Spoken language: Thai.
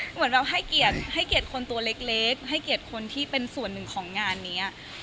เหมือนให้เกียรติคนตัวเล็กให้เกียรติคนที่เป็นส่วนหนึ่งของงานนี้